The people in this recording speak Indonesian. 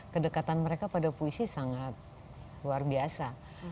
kedekatan mereka pada puisi sangat luar biasa